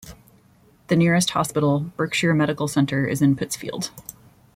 The nearest hospital, Berkshire Medical Center, is in Pittsfield.